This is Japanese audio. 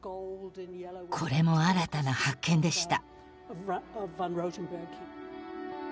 これも新たな発見でした。